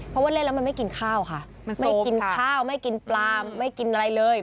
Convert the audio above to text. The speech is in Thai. เพราะว่าเล่นแล้วมันไม่กินข้าวค่ะไม่กินข้าวไม่กินปลาไม่กินอะไรเลย